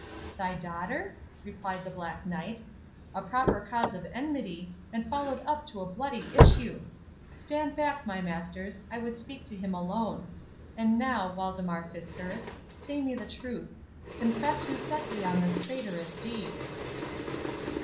"Thy daughter?" replied the Black Knight; "a proper cause of enmity, and followed up to a bloody issue!—Stand back, my masters, I would speak to him alone.—And now, Waldemar Fitzurse, say me the truth—confess who set thee on this traitorous deed."